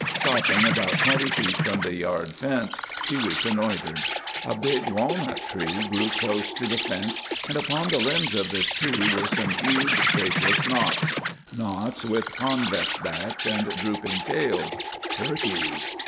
Stopping about twenty feet from the yard fence, she reconnoitred. A big walnut tree grew close to the fence, and upon the limbs of this tree were some huge, shapeless knots; knots with convex backs and drooping tails; turkeys!